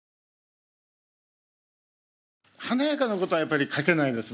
華やかなことはやっぱり書けないです